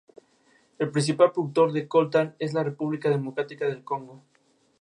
El principal productor del Coltán es la República Democrática del Congo.